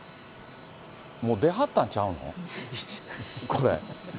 もう出はったんちゃうの？